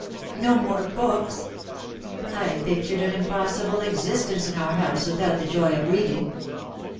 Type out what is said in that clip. "No more books!" I pictured an impossible existence in our house without the joy of reading.